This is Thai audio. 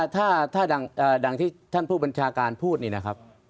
ถ้าอย่างที่ท่านผู้บัญชาการพูดนี่นะครับ